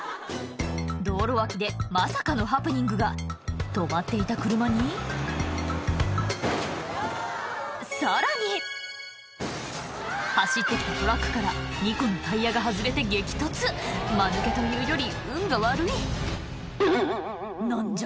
道路脇でまさかのハプニングが止まっていた車にさらに走って来たトラックから２個のタイヤが外れて激突マヌケというより運が悪い何じゃ？